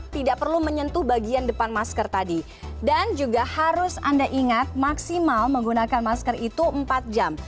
tidak perlu menyentuh bagian depan masker tadi dan juga harus anda ingat maksimal menggunakan masker itu empat jam